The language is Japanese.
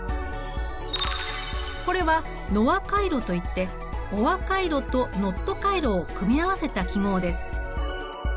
これはＮＯＲ回路といってＯＲ回路とＮＯＴ回路を組み合わせた記号です。